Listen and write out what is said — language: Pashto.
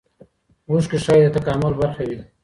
اوښکې ښايي د تکامل برخه وي.